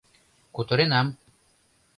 — Кутыренам.